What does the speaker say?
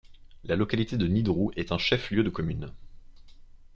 La localité de Nidrou est un chef-lieu de commune.